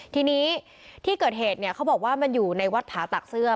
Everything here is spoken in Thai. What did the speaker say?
ทีนี้ที่เกิดเหตุเนี่ยเขาบอกว่ามันอยู่ในวัดผาตักเสื้อ